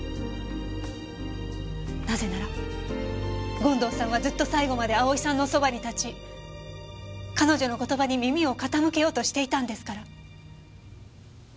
なぜなら権藤さんはずっと最後まで蒼さんの側に立ち彼女の言葉に耳を傾けようとしていたんですから。